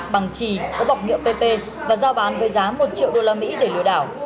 bằng trì có bọc nhựa pp và giao bán với giá một triệu usd để lừa đảo